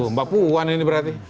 mbak puan ini berarti